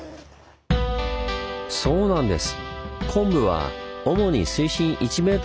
そうなんです！